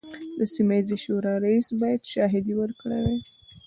د سیمه ییزې شورا رئیس باید شاهدې ورکړي وای.